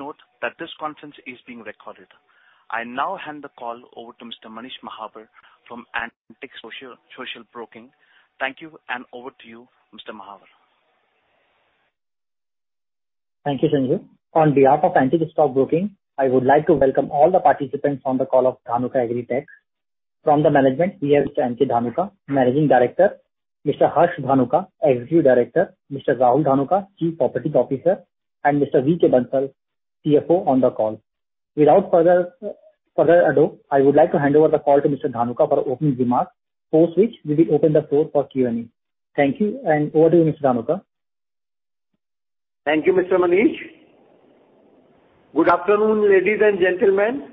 Please note that this conference is being recorded. I now hand the call over to Mr. Manish Mahawar from Antique Stock Broking. Thank you, and over to you, Mr. Mahawar. Thank you, Sanjay. On behalf of Antique Stock Broking, I would like to welcome all the participants on the call of Dhanuka Agritech. From the management, we have Mr. M.K. Dhanuka, Managing Director, Mr. Harsh Dhanuka, Executive Director, Mr. Rahul Dhanuka, Chief Operating Officer, and Mr. V.K. Bansal, CFO on the call. Without further ado, I would like to hand over the call to Mr. Dhanuka for opening remarks. Post which, we will open the floor for Q&A. Thank you, and over to you, Mr. Dhanuka. Thank you, Mr. Manish. Good afternoon, ladies and gentlemen.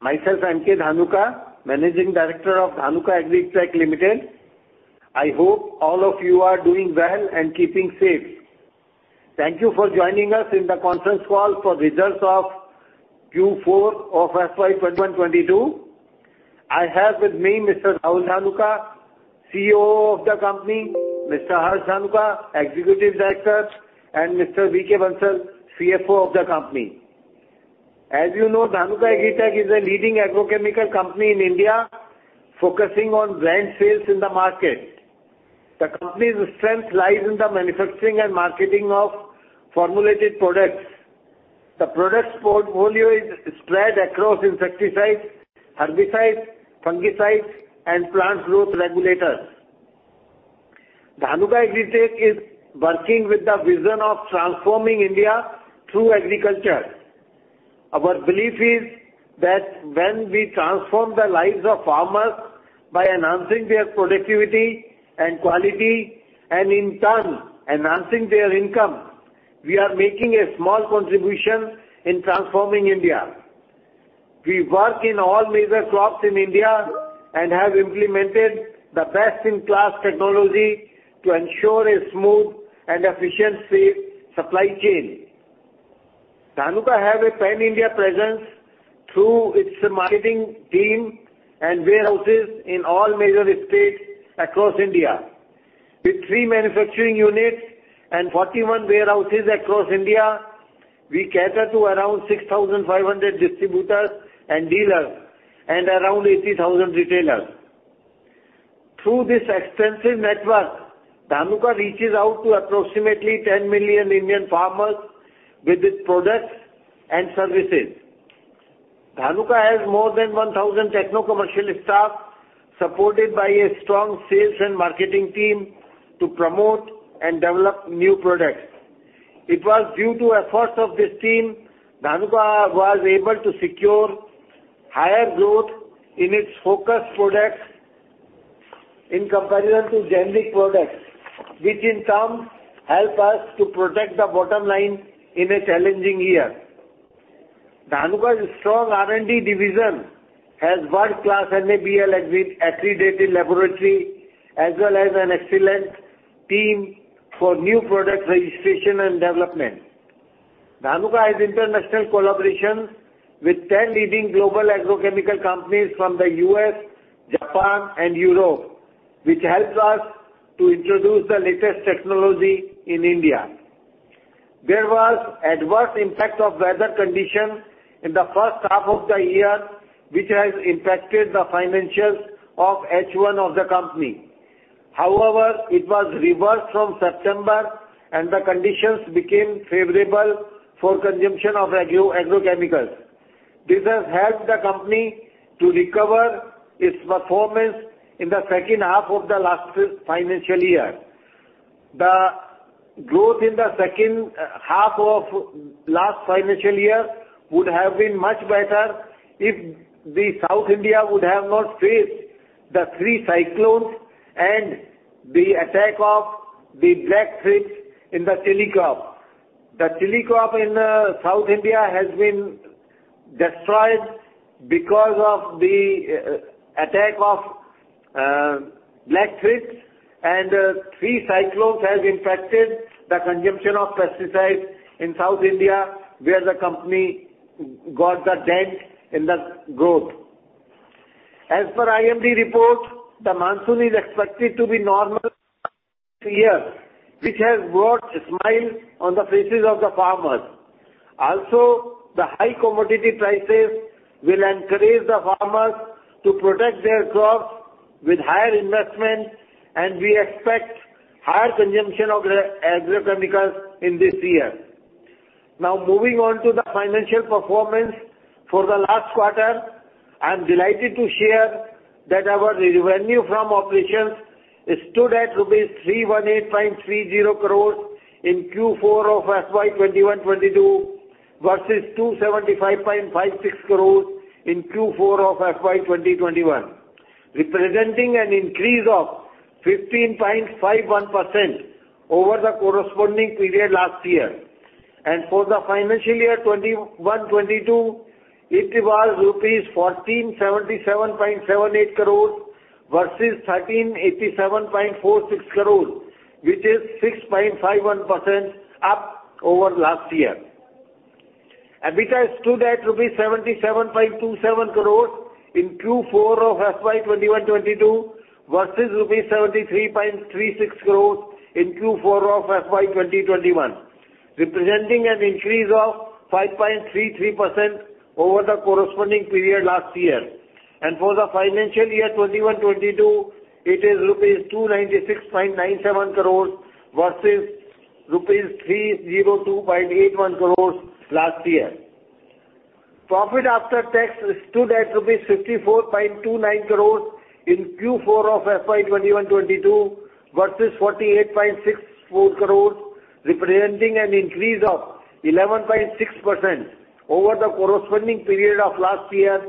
Myself, M.K. Dhanuka, Managing Director of Dhanuka Agritech Limited. I hope all of you are doing well and keeping safe. Thank you for joining us in the conference call for results of Q4 of FY 2021-22. I have with me Mr. Rahul Dhanuka, CEO of the company, Mr. Harsh Dhanuka, Executive Director, and Mr. V.K. Bansal, CFO of the company. As you know, Dhanuka Agritech is a leading agrochemical company in India, focusing on brand sales in the market. The company's strength lies in the manufacturing and marketing of formulated products. The products portfolio is spread across insecticides, herbicides, fungicides, and plant growth regulators. Dhanuka Agritech is working with the vision of transforming India through agriculture. Our belief is that when we transform the lives of farmers by enhancing their productivity and quality, and in turn enhancing their income, we are making a small contribution in transforming India. We work in all major crops in India and have implemented the best-in-class technology to ensure a smooth and efficient, safe supply chain. Dhanuka has a pan-India presence through its marketing team and warehouses in all major states across India. With three manufacturing units and 41 warehouses across India, we cater to around 6,500 distributors and dealers and around 80,000 retailers. Through this extensive network, Dhanuka reaches out to approximately 10 million Indian farmers with its products and services. Dhanuka has more than 1,000 techno-commercial staff, supported by a strong sales and marketing team to promote and develop new products. It was due to efforts of this team, Dhanuka was able to secure higher growth in its focus products in comparison to generic products, which in turn help us to protect the bottom line in a challenging year. Dhanuka's strong R&D division has world-class NABL-accredited laboratory as well as an excellent team for new product registration and development. Dhanuka has international collaborations with ten leading global agrochemical companies from the U.S., Japan, and Europe, which helps us to introduce the latest technology in India. There was adverse impact of weather conditions in the H1 of the year, which has impacted the financials of H1 of the company. However, it was reversed from September, and the conditions became favorable for consumption of agrochemicals. This has helped the company to recover its performance in the H2 of the last financial year. The growth in the H2 of last financial year would have been much better if the South India would have not faced the three cyclones and the attack of the black flies in the chili crop. The chili crop in South India has been destroyed because of the attack of black flies, and three cyclones has impacted the consumption of pesticides in South India, where the company got the dent in the growth. As per IMD report, the monsoon is expected to be normal this year, which has brought smiles on the faces of the farmers. Also, the high commodity prices will encourage the farmers to protect their crops with higher investment, and we expect higher consumption of the agrochemicals in this year. Now, moving on to the financial performance for the last quarter, I'm delighted to share that our revenue from operations stood at rupees 318.30 crores in Q4 of FY 2021-22 versus 275.56 crores in Q4 of FY 2021, representing an increase of 15.51% over the corresponding period last year. For the financial year 2021-22, it was rupees 1,477.78 crores versus 1,387.46 crores, which is 6.51% up over last year. EBITDA stood at INR 77.27 crores in Q4 of FY 2021-22 versus rupees 73.36 crores in Q4 of FY 2021, representing an increase of 5.33% over the corresponding period last year. For the financial year 2021-22, it is rupees 296.97 crores versus rupees 302.81 crores last year. Profit after tax stood at rupees 54.29 crores in Q4 of FY 2021-22 versus 48.64 crores, representing an increase of 11.6% over the corresponding period of last year.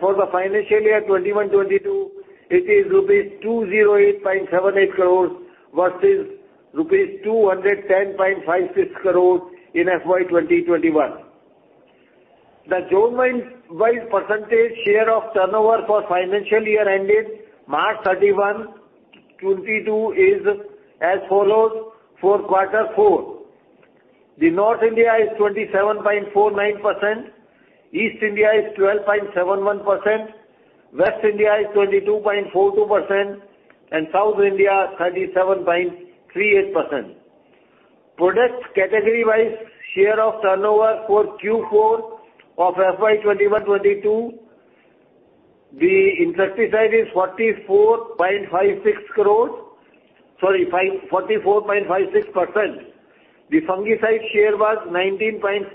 For the financial year 2021-22, it is rupees 208.78 crores versus rupees 210.56 crores in FY 2020-21. The zone-wise percentage share of turnover for financial year ended March 31, 2022 is as follows for quarter four. The North India is 27.49%, East India is 12.71%, West India is 22.42%, and South India 37.38%. Product category-wise share of turnover for Q4 of FY 2021-22, the insecticide is 44.56%. The fungicide share was 19.49%.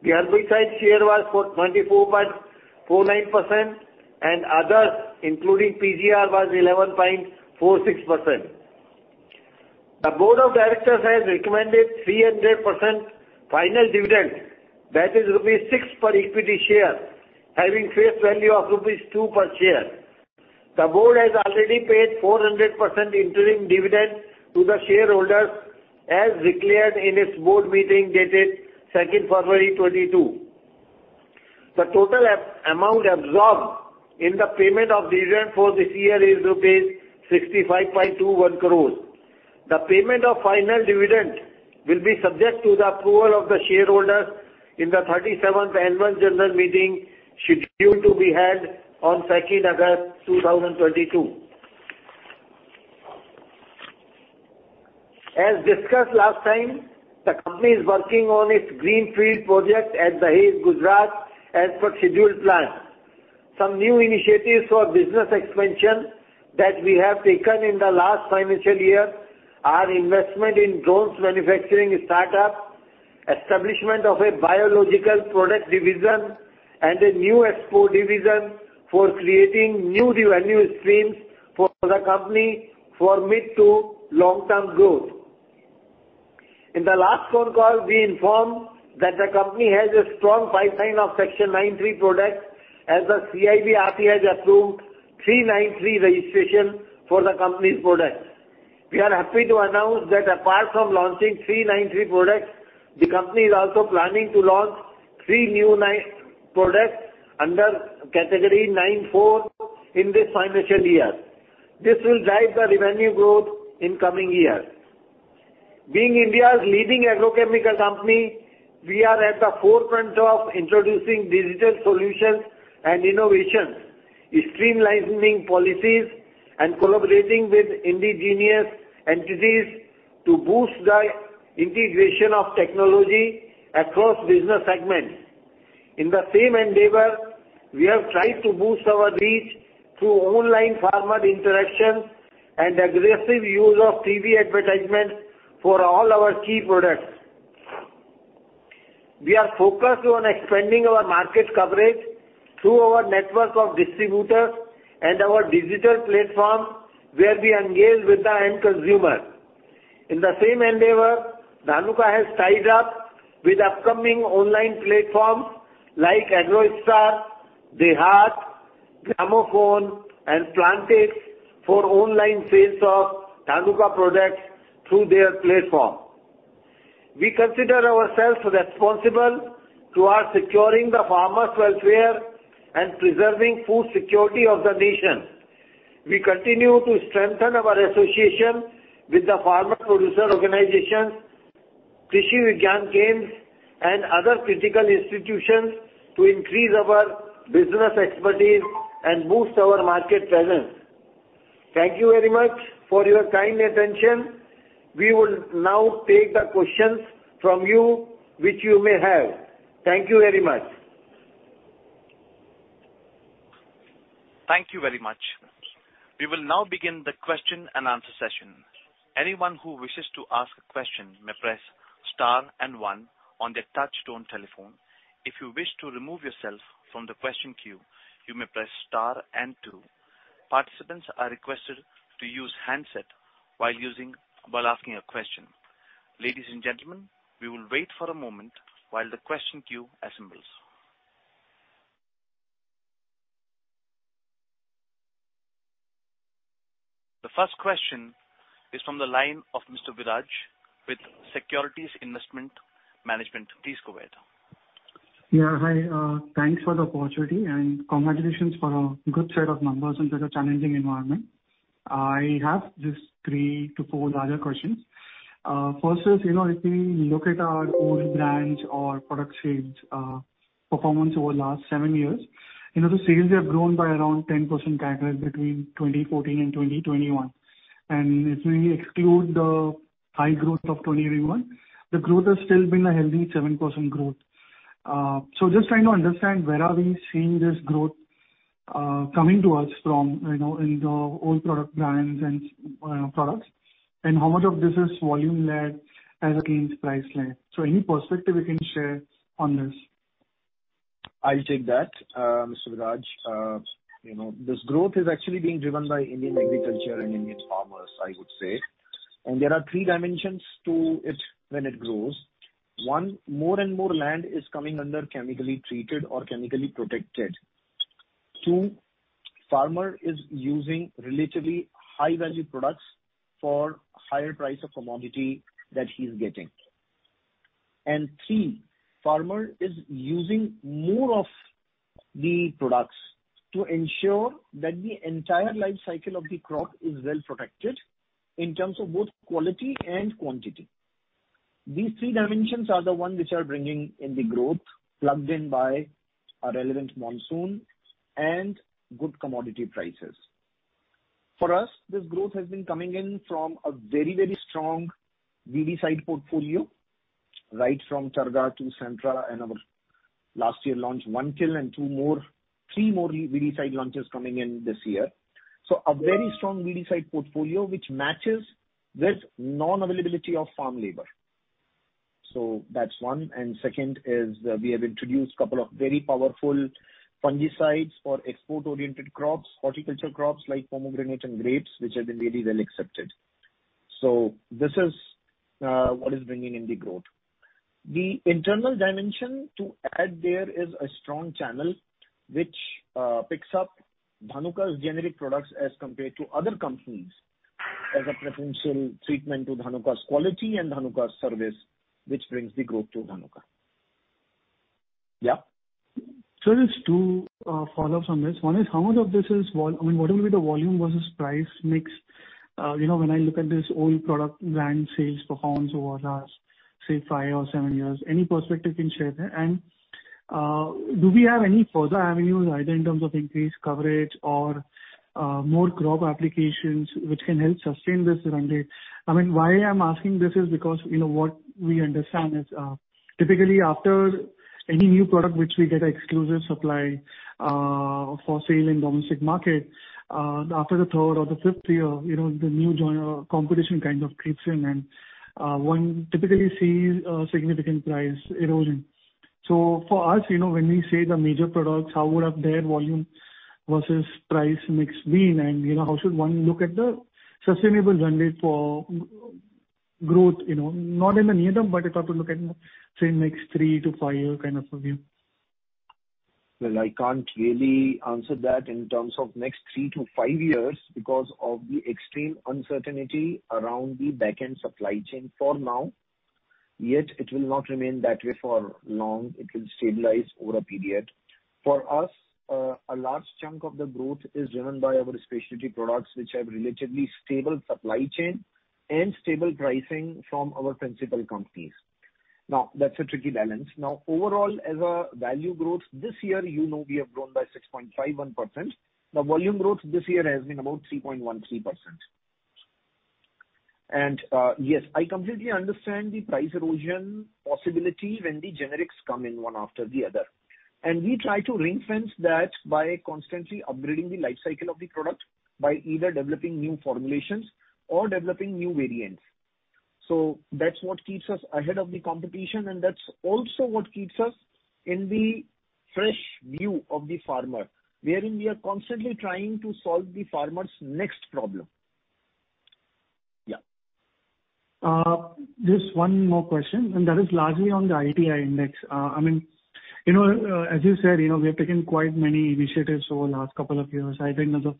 The herbicide share was 24.49%, and others, including PGR, was 11.46%. The Board of Directors has recommended 300% final dividend, that is rupees 6 per equity share, having face value of rupees 2 per share. The board has already paid 400% interim dividend to the shareholders as declared in its board meeting dated February 2, 2022. The total amount absorbed in the payment of dividend for this year is rupees 65.21 crores. The payment of final dividend will be subject to the approval of the shareholder in the thirty-seventh Annual General Meeting scheduled to be held on 2nd August 2022. As discussed last time, the company is working on its greenfield project at Dahej, Gujarat, as per scheduled plan. Some new initiatives for business expansion that we have taken in the last financial year are investment in drones manufacturing startup, establishment of a biological product division, and a new export division for creating new revenue streams for the company for mid to long-term growth. In the last phone call, we informed that the company has a strong pipeline of Section 9(3) products as the CIBRC has approved 9(3) registration for the company's products. We are happy to announce that apart from launching Section 9(3) products, the company is also planning to launch three new Section 9(4) products under category Section 9(4) in this financial year. This will drive the revenue growth in coming years. Being India's leading agrochemical company, we are at the forefront of introducing digital solutions and innovations, streamlining policies, and collaborating with indigenous entities to boost the integration of technology across business segments. In the same endeavor, we have tried to boost our reach through online farmer interactions and aggressive use of TV advertisements for all our key products. We are focused on expanding our market coverage through our network of distributors and our digital platform, where we engage with the end consumer. In the same endeavor, Dhanuka has tied up with upcoming online platforms like AgroStar, DeHaat, Gramophone, and Plantix for online sales of Dhanuka products through their platform. We consider ourselves responsible towards securing the farmers' welfare and preserving food security of the nation. We continue to strengthen our association with the Farmer Producer Organizations, Krishi Vigyan Kendras, and other critical institutions to increase our business expertise and boost our market presence. Thank you very much for your kind attention. We will now take the questions from you which you may have. Thank you very much. Thank you very much. We will now begin the question and answer session. Anyone who wishes to ask a question may press star and one on their touchtone telephone. If you wish to remove yourself from the question queue, you may press star and two. Participants are requested to use handset while asking a question. Ladies and gentlemen, we will wait for a moment while the question queue assembles. The first question is from the line of Mr. Viraj with Securities Investment Management. Please go ahead. Yeah. Hi, thanks for the opportunity, and congratulations for a good set of numbers into the challenging environment. I have just three to four larger questions. First is, you know, if we look at our old brands or product sales, performance over last 7 years, you know, the sales have grown by around 10% CAGR between 2014 and 2021. If we exclude the high growth of 2021, the growth has still been a healthy 7% growth. So just trying to understand where are we seeing this growth, coming to us from, you know, in the old product brands and products, and how much of this is volume-led as against price-led. So any perspective you can share on this. I'll take that, Mr. Viraj. You know, this growth is actually being driven by Indian agriculture and Indian farmers, I would say. There are three dimensions to it when it grows. One, more and more land is coming under chemically treated or chemically protected. Two, farmer is using relatively high-value products for higher price of commodity that he is getting. And three, farmer is using more of the products to ensure that the entire life cycle of the crop is well protected in terms of both quality and quantity. These three dimensions are the ones which are bringing in the growth, augmented by a reliable monsoon and good commodity prices. For us, this growth has been coming in from a very, very strong weedicide portfolio, right from Targa to Sempra and our last year launch, Onekil and two more, three more weedicide launches coming in this year. A very strong weedicide portfolio which matches with non-availability of farm labor. That's one. Second is, we have introduced couple of very powerful fungicides for export-oriented crops, horticulture crops like pomegranate and grapes, which have been very well accepted. This is, what is bringing in the growth. The additional dimension to add there is a strong channel which, picks up Dhanuka's generic products as compared to other companies as a preferential treatment to Dhanuka's quality and Dhanuka's service, which brings the growth to Dhanuka. Yeah. Just to follow up on this. One is, how much of this is—I mean, what will be the volume versus price mix? You know, when I look at this old product brand sales performance over the last, say, five or seven years, any perspective you can share there? Do we have any further avenues, either in terms of increased coverage or more crop applications which can help sustain this mandate? I mean, why I'm asking this is because, you know, what we understand is, typically after any new product which we get exclusive supply for sale in domestic market, after the third or the fifth year, you know, the new joiner competition kind of creeps in and one typically sees a significant price erosion. For us, you know, when we say the major products, how would have their volume versus price mix been? You know, how should one look at the sustainable mandate for growth, you know, not in the near term, but if I have to look at, say, next three-five year kind of a view. Well, I can't really answer that in terms of next three to five years because of the extreme uncertainty around the back-end supply chain for now. Yet it will not remain that way for long. It will stabilize over a period. For us, a large chunk of the growth is driven by our specialty products, which have relatively stable supply chain and stable pricing from our principal companies. Now, that's a tricky balance. Now, overall, as a value growth this year, you know we have grown by 6.51%. The volume growth this year has been about 3.13%. Yes, I completely understand the price erosion possibility when the generics come in one after the other. We try to ring-fence that by constantly upgrading the life cycle of the product by either developing new formulations or developing new variants. That's what keeps us ahead of the competition, and that's also what keeps us in the fresh view of the farmer, wherein we are constantly trying to solve the farmer's next problem. Yeah. Just one more question, and that is largely on the NPI index. I mean, you know, as you said, you know, we have taken quite many initiatives over the last couple of years. I think the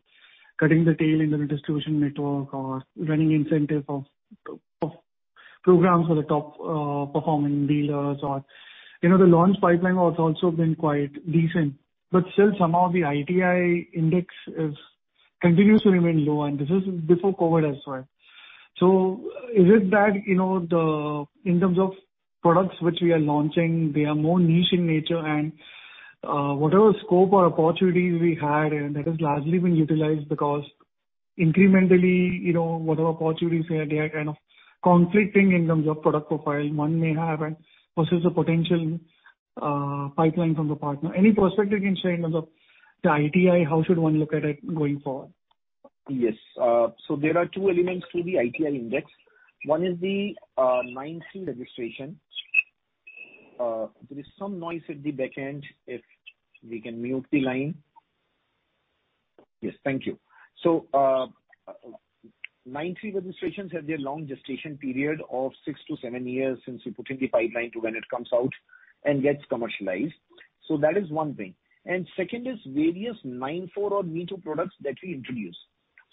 cutting the tail in the distribution network or running incentive of programs for the top performing dealers or, you know, the launch pipeline has also been quite decent. Still, somehow the NPI index continues to remain low, and this is before COVID as well. Is it that, you know, the, in terms of products which we are launching, they are more niche in nature and, whatever scope or opportunities we had, and that has largely been utilized because incrementally, you know, whatever opportunities we had, they are kind of conflicting in terms of product profile one may have and versus the potential, pipeline from the partner. Any perspective you can share in terms of the ITI, how should one look at it going forward? Yes. There are two elements to the NPI index. One is the 9(3) registration. There is some noise at the back end if we can mute the line. Yes. Thank you. 9(3) registrations have their long gestation period of six-seven years since you put in the pipeline to when it comes out and gets commercialized. That is one thing. Second is various 9(4) or me-too products that we introduce.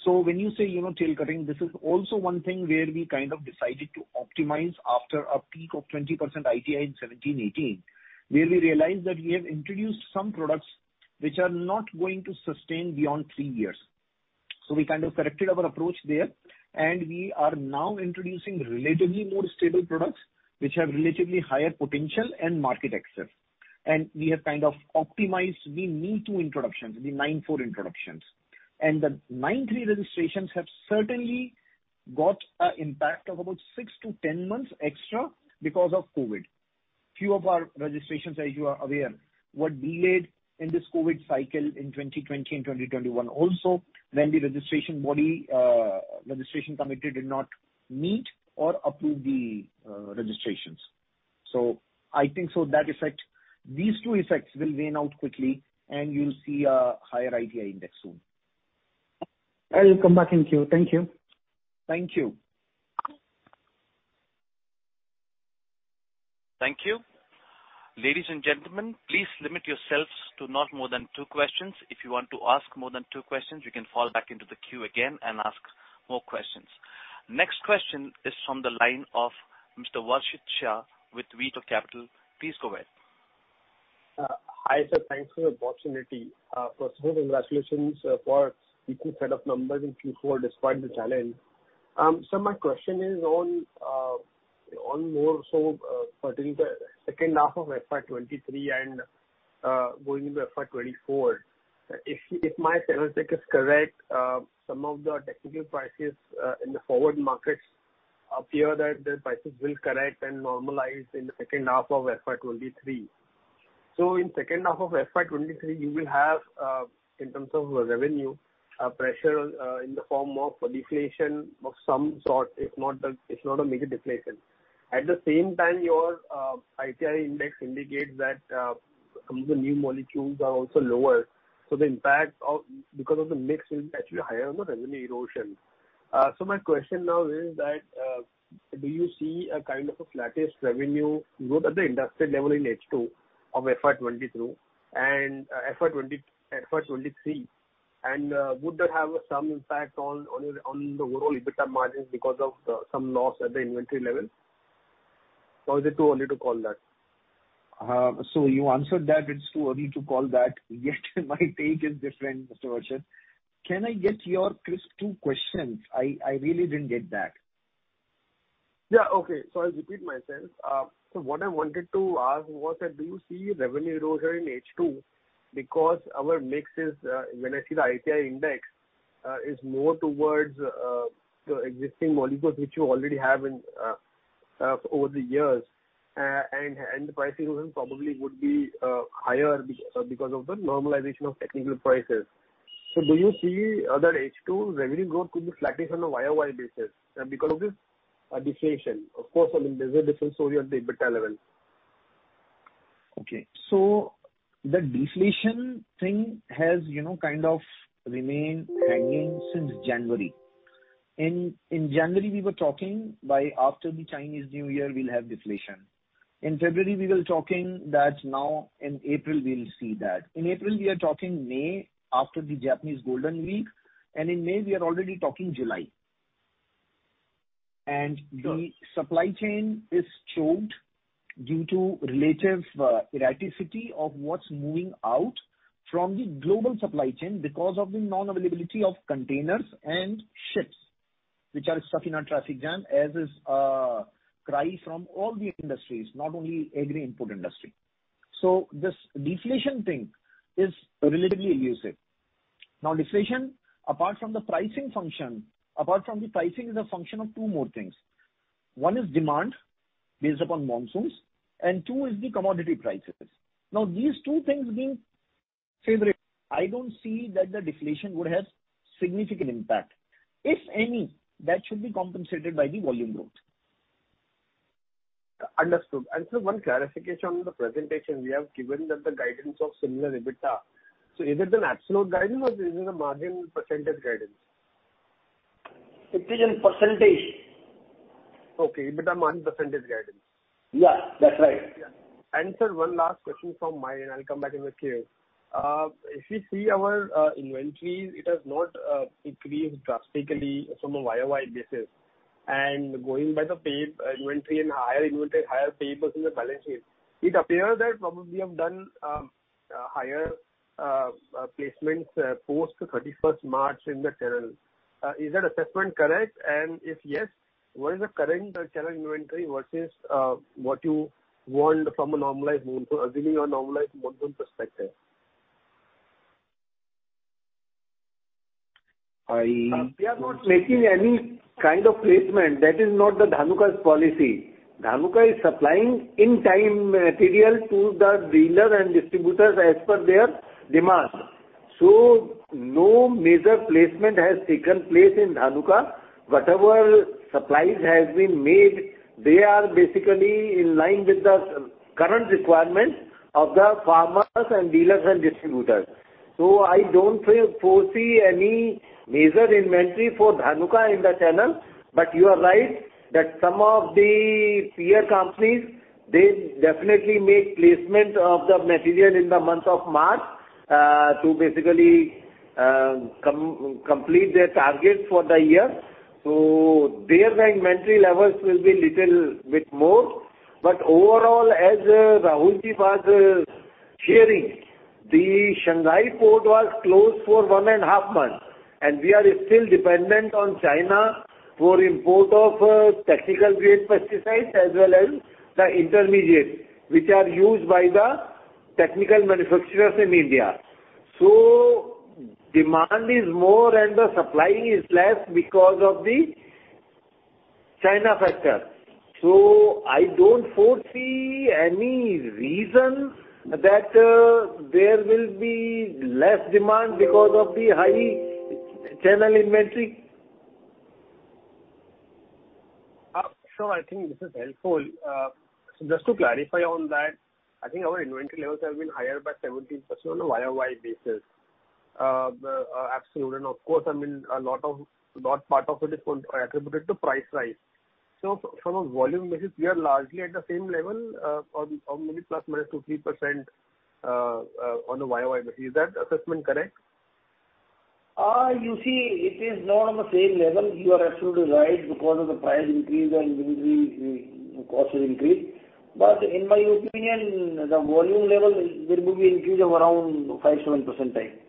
When you say, you know, tail cutting, this is also one thing where we kind of decided to optimize after a peak of 20% ITI in 2017-18, where we realized that we have introduced some products which are not going to sustain beyond three years. We kind of corrected our approach there, and we are now introducing relatively more stable products which have relatively higher potential and market access. We have kind of optimized the new introductions, the 9(4) introductions. The 9(3) registrations have certainly got an impact of about six-10 months extra because of COVID. Few of our registrations, as you are aware, were delayed in this COVID cycle in 2020 and 2021 also when the registration body, registration committee did not meet or approve the registrations. I think to that effect, these two effects will wane out quickly and you'll see a higher NPI index soon. I will come back in queue. Thank you. Thank you. Thank you. Ladies and gentlemen, please limit yourselves to not more than two questions. If you want to ask more than two questions, you can fall back into the queue again and ask more questions. Next question is from the line of Mr. Varshit Shah with Veto Capital. Please go ahead. Hi, sir. Thanks for the opportunity. First of all, congratulations for decent set of numbers in Q4 despite the challenge. My question is on more so pertaining to H2 of FY 2023 and going into FY 2024. If my telecheck is correct, some of the technical prices in the forward markets appear that the prices will correct and normalize in the H2 of FY 2023. In H2 of FY 2023, you will have in terms of revenue a pressure in the form of a deflation of some sort, if not a mega deflation. At the same time, your NPI index indicates that some of the new molecules are also lower. The impact because of the mix will be actually higher on the revenue erosion. My question now is that, do you see a kind of a flattish revenue growth at the industry level in H2 of FY22 and FY23? Would that have some impact on your overall EBITDA margins because of some loss at the inventory level? Or is it too early to call that? You answered that it's too early to call that. Yet my take is different, Mr. Varshit. Can I get your crisp two questions? I really didn't get that. Yeah. Okay. I'll repeat myself. What I wanted to ask was that do you see revenue erosion in H2? Because our mix is, when I see the NPI index, is more towards the existing molecules which you already have in over the years. And the pricing probably would be higher because of the normalization of technical prices. Do you see that H2 revenue growth could be flattish on a year-over-year basis because of this deflation? Of course, I mean, there's a difference over at the EBITDA level. Okay. The deflation thing has, you know, kind of remained hanging since January. In January we were talking by after the Chinese New Year we'll have deflation. In February we were talking that now in April we'll see that. In April we are talking May after the Japanese Golden Week, and in May we are already talking July. The supply chain is choked due to relative erraticity of what's moving out from the global supply chain because of the non-availability of containers and ships which are stuck in a traffic jam, as is a cry from all the industries, not only agri input industry. This deflation thing is relatively elusive. Now deflation, apart from the pricing function, apart from the pricing is a function of two more things. One is demand based upon monsoons, and two is the commodity prices. Now, these two things being favorable, I don't see that the deflation would have significant impact. If any, that should be compensated by the volume growth. Understood. Sir, one clarification on the presentation. We have given that the guidance of similar EBITDA. Is it an absolute guidance or is it a margin percentage guidance? It is in percentage. Okay. EBITDA margin percentage guidance. Yeah, that's right. Sir, one last question from my end. I'll come back in the queue. If we see our inventories, it has not increased drastically from a YOY basis. Going by the paid inventory and higher inventory, higher payables in the balance sheet, it appears that probably you've done higher placements post thirty-first March in the channel. Is that assessment correct? If yes, what is the current channel inventory versus what you want from a normalized monsoon, assuming a normalized monsoon perspective? We are not making any kind of placement. That is not the Dhanuka's policy. Dhanuka is supplying in time material to the dealers and distributors as per their demand. No major placement has taken place in Dhanuka. Whatever supplies has been made, they are basically in line with the current requirements of the farmers and dealers and distributors. I don't foresee any major inventory for Dhanuka in the channel. You are right that some of the peer companies, they definitely make placement of the material in the month of March, to basically, complete their targets for the year. Their inventory levels will be little bit more. Overall, as Rahul was The Shanghai port was closed for 1.5 months, and we are still dependent on China for import of technical grade pesticides as well as the intermediates, which are used by the technical manufacturers in India. Demand is more and the supply is less because of the China factor. I don't foresee any reason that there will be less demand because of the high channel inventory. I think this is helpful. Just to clarify on that, I think our inventory levels have been higher by 17% on a YOY basis. Absolute and of course, I mean, a lot of it is contributed to price rise. From a volume basis, we are largely at the same level, or maybe ±2-3%, on a YOY basis. Is that assessment correct? You see it is not on the same level. You are absolutely right because of the price increase and the cost will increase. In my opinion, the volume level will increase of around 5-7%, right?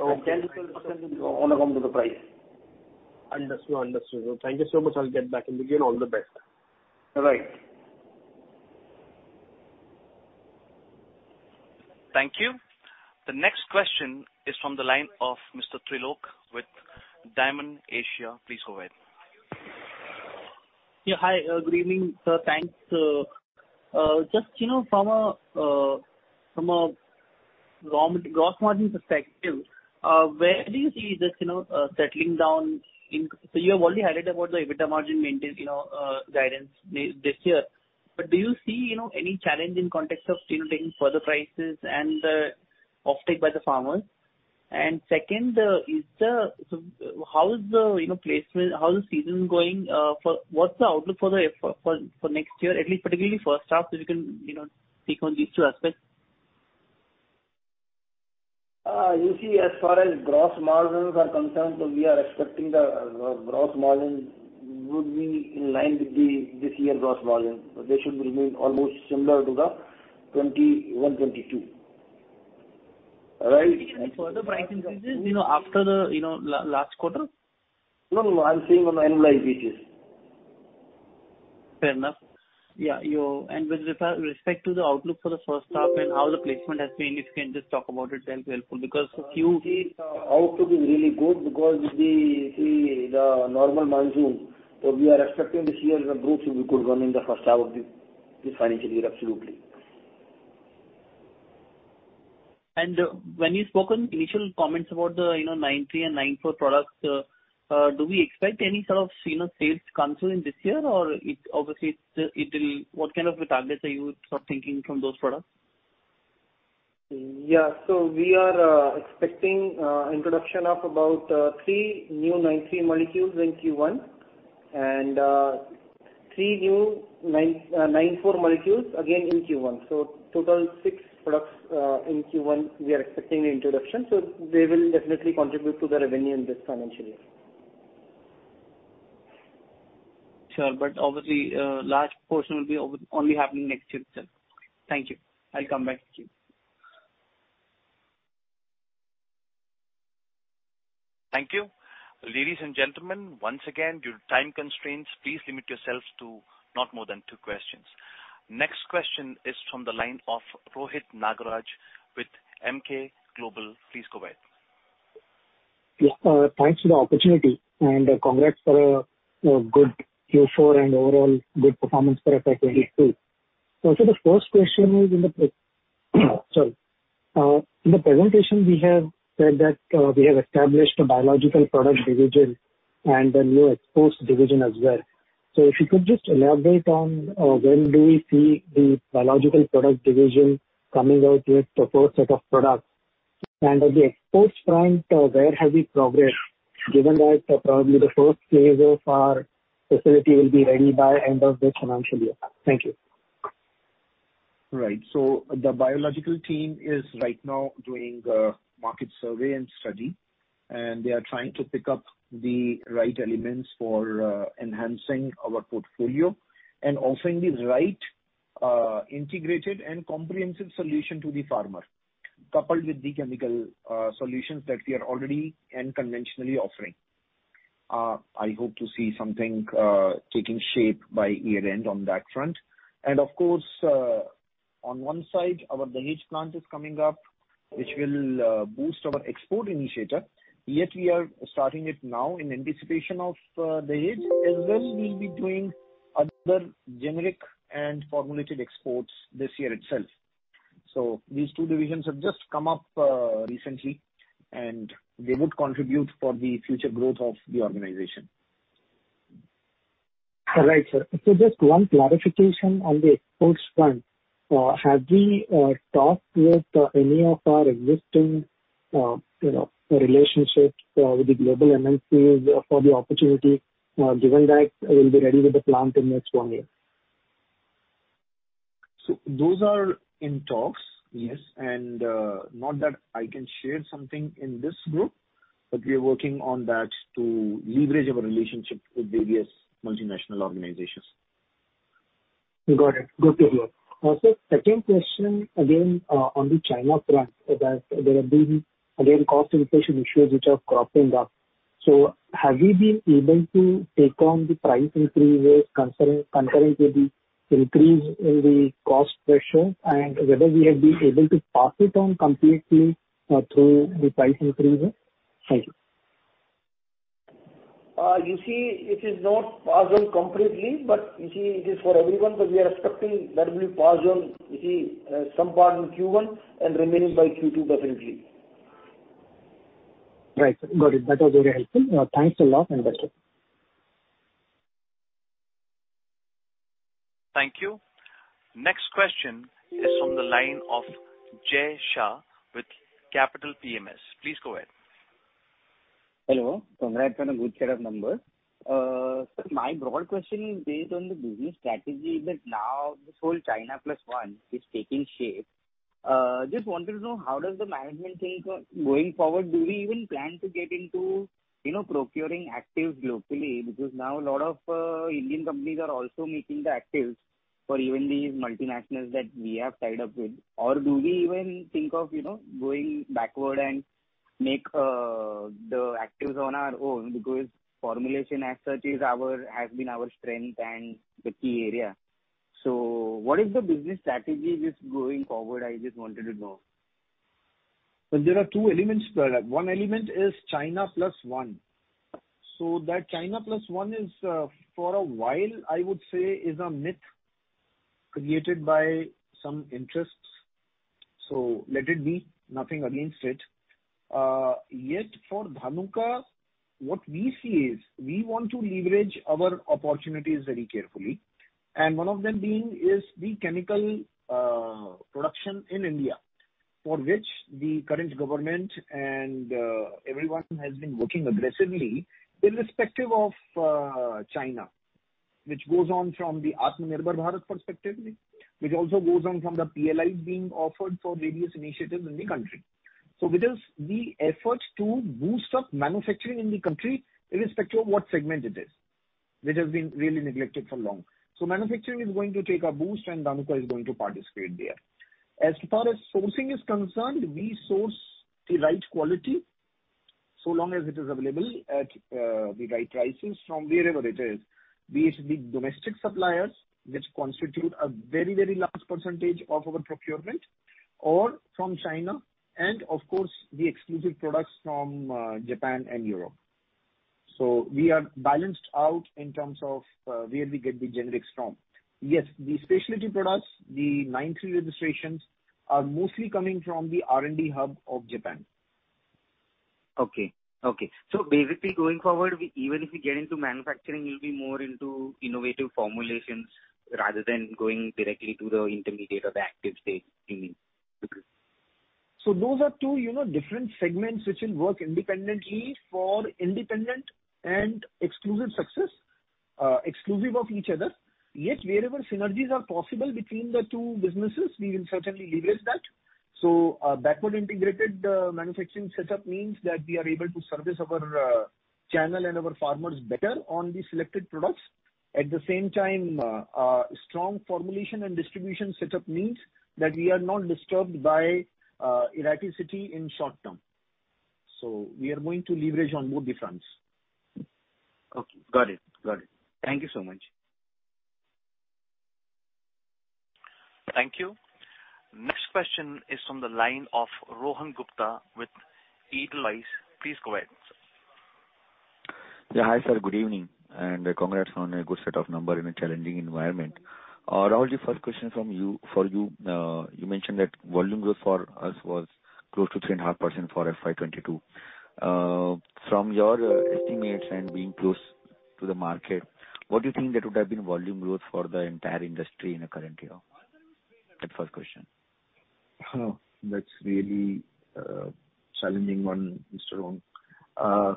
10%-12% on account of the price. Understood. Thank you so much. I'll get back in the queue. All the best. All right. Thank you. The next question is from the line of Mr. Trilok with Dymon Asia Capital. Please go ahead. Yeah, hi. Good evening, sir. Thanks. Just, you know, from a gross margin perspective, where do you see this, you know, settling down in. You have already highlighted about the EBITDA margin maintain, you know, guidance this year. Do you see, you know, any challenge in context of, you know, taking further prices and offtake by the farmers? Second, how is the placement, how is the season going, for. What's the outlook for next year, at least particularly H1? If you can, you know, speak on these two aspects. You see, as far as gross margins are concerned, we are expecting the gross margin would be in line with this year's gross margin. They should remain almost similar to the 2021, 2022. Right? Any further price increases, you know, after the, you know, last quarter? No, no. I'm saying on annualized basis. Fair enough. Yeah, with respect to the outlook for the H1 and how the placement has been, if you can just talk about it, that'll be helpful because Q- Outlook is really good because if we see the normal monsoon, so we are expecting this year the growth will be good one in the H1 of the financial year, absolutely. When you spoke on initial comments about the, you know, Section 9(3) and Section 9(4) products, do we expect any sort of, you know, sales growth in this year? What kind of a targets are you sort of thinking from those products? We are expecting introduction of about three new 9(3) molecules in Q1 and three new 9(4) molecules again in Q1. Total six products in Q1 we are expecting the introduction. They will definitely contribute to the revenue in this financial year. Sure. Obviously, large portion will be only happening next year itself. Thank you. I'll come back to you. Thank you. Ladies and gentlemen, once again, due to time constraints, please limit yourselves to not more than two questions. Next question is from the line of Rohit Nagaraj with Emkay Global Financial Services. Please go ahead. Thanks for the opportunity and congrats for a good Q4 and overall good performance for FY 2022. The first question is in the presentation we have said that we have established a biological product division and a new exports division as well. If you could just elaborate on when do we see the biological product division coming out with proposed set of products? And on the exports front, where have we progressed, given that probably the first phase of our facility will be ready by end of this financial year? Thank you. The biological team is right now doing market survey and study, and they are trying to pick up the right elements for enhancing our portfolio and offering the right integrated and comprehensive solution to the farmer, coupled with the chemical solutions that we are already and conventionally offering. I hope to see something taking shape by year-end on that front. Of course, on one side our Dahej plant is coming up, which will boost our export initiative, yet we are starting it now in anticipation of Dahej, as well we'll be doing other generic and formulated exports this year itself. These two divisions have just come up recently, and they would contribute for the future growth of the organization. All right, sir. Just one clarification on the exports front. Have we talked with any of our existing, you know, relationships with the global MNCs for the opportunity, given that we'll be ready with the plant in next one year? Those are in talks, yes. Not that I can share something in this group. But we are working on that to leverage our relationship with various multinational organizations. Got it. Good to hear. Also, second question again, on the China front, that there have been, again, cost inflation issues which are cropping up. Have you been able to take on the price increase rates concerning with the increase in the cost pressure and whether we have been able to pass it on completely, through the price increases? Thank you. you see, it is not passed on completely, but you see it is for everyone, but we are expecting that will be passed on, you see, some part in Q1 and remaining by Q2 definitely. Right. Got it. That was very helpful. Thanks a lot and best wishes. Thank you. Next question is from the line of Jay Shah with Capital PMS. Please go ahead. Hello. Congrats on a good set of numbers. My broad question is based on the business strategy that now this whole China plus one is taking shape. Just wanted to know how does the management think of going forward? Do we even plan to get into, you know, procuring actives locally? Because now a lot of Indian companies are also making the actives for even these multinationals that we have tied up with. Or do we even think of, you know, going backward and make the actives on our own? Because formulation as such is our, has been our strength and the key area. What is the business strategy just going forward, I just wanted to know. There are two elements to that. One element is China plus one. That China plus one is, for a while I would say is a myth created by some interests. Let it be. Nothing against it. Yet for Dhanuka, what we see is we want to leverage our opportunities very carefully. One of them being is the chemical production in India, for which the current government and everyone has been working aggressively irrespective of China, which goes on from the Atmanirbhar Bharat perspective, which also goes on from the PLIs being offered for various initiatives in the country. With this, the efforts to boost up manufacturing in the country irrespective of what segment it is, which has been really neglected for long. Manufacturing is going to take a boost and Dhanuka is going to participate there. As far as sourcing is concerned, we source the right quality, so long as it is available at, the right prices from wherever it is. Be it the domestic suppliers, which constitute a very, very large percentage of our procurement, or from China and of course the exclusive products from, Japan and Europe. We are balanced out in terms of, where we get the generics from. Yes, the specialty products, the 9(3) registrations are mostly coming from the R&D hub of Japan. Basically going forward, we, even if we get into manufacturing, you'll be more into innovative formulations rather than going directly to the intermediate or the active state. Those are two, you know, different segments which will work independently for independent and exclusive success, exclusive of each other. Yet wherever synergies are possible between the two businesses, we will certainly leverage that. Backward integrated manufacturing setup means that we are able to service our channel and our farmers better on the selected products. At the same time, strong formulation and distribution setup means that we are not disturbed by erraticity in short term. We are going to leverage on both the fronts. Okay. Got it. Thank you so much. Thank you. Next question is from the line of Rohan Gupta with Edelweiss. Please go ahead. Yeah. Hi, sir. Good evening, and congrats on a good set of number in a challenging environment. Rahul, the first question from you, for you. You mentioned that volume growth for us was close to 3.5% for FY 2022. From your estimates and being close to the market, what do you think that would have been volume growth for the entire industry in the current year? That first question. Oh, that's really a challenging one, Mr. Rohan.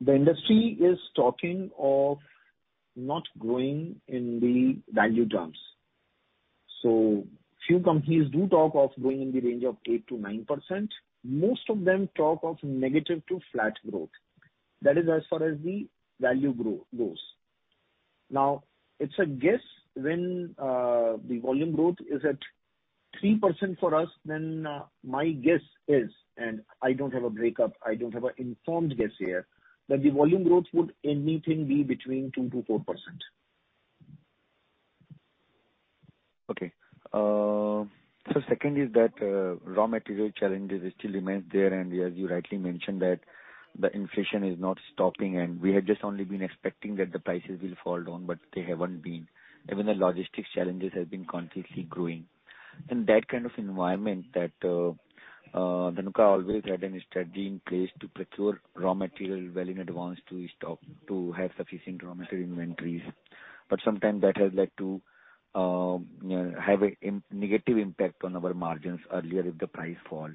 The industry is talking of not growing in the value terms. Few companies do talk of growing in the range of 8-9%. Most of them talk of negative to flat growth. That is as far as the value growth goes. It's a guess when the volume growth is at 3% for us. Then my guess is, and I don't have a breakdown, I don't have an informed guess here, that the volume growth would anything be between 2-4%. Okay. Second is that raw material challenges still remains there. As you rightly mentioned, that the inflation is not stopping and we had just only been expecting that the prices will fall down, but they haven't been. Even the logistics challenges has been continuously growing. In that kind of environment, Dhanuka always had a strategy in place to procure raw material well in advance to stock, to have sufficient raw material inventories. But sometimes that has led to negative impact on our margins earlier if the price falls.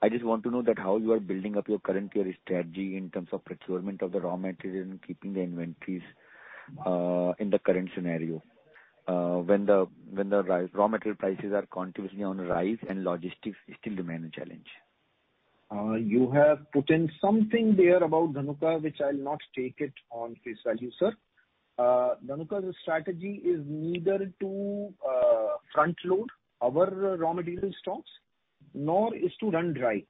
I just want to know that how you are building up your current year strategy in terms of procurement of the raw material and keeping the inventories in the current scenario, when the raw material prices are continuously on rise and logistics is still the main challenge. You have put in something there about Dhanuka which I'll not take it at face value, sir. Dhanuka's strategy is neither to front load our raw material stocks nor is to run dry.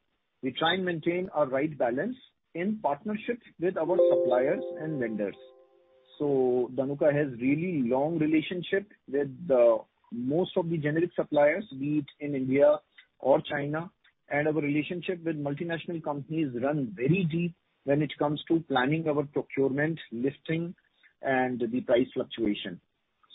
We try and maintain a right balance in partnership with our suppliers and vendors. Dhanuka has really long relationship with most of the generic suppliers, be it in India or China, and our relationship with multinational companies run very deep when it comes to planning our procurement, listing, and the price fluctuation.